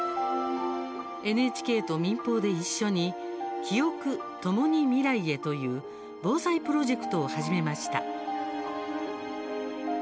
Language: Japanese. ＮＨＫと民放で一緒に「キオク、ともに未来へ。」という防災プロジェクトを始めました。